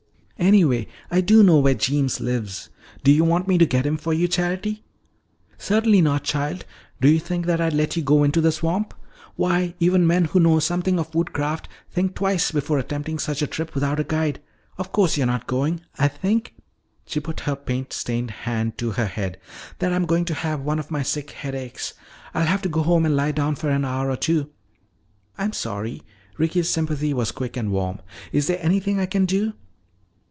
"Anyway, I do know where Jeems lives. Do you want me to get him for you, Charity?" "Certainly not, child! Do you think that I'd let you go into the swamp? Why, even men who know something of woodcraft think twice before attempting such a trip without a guide. Of course you're not going! I think," she put her paint stained hand to her head, "that I'm going to have one of my sick headaches. I'll have to go home and lie down for an hour or two." "I'm sorry." Ricky's sympathy was quick and warm. "Is there anything I can do?"